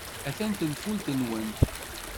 Attan tenfult-nwent.